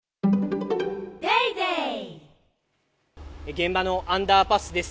現場のアンダーパスです。